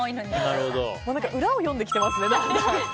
裏を読んできていますね。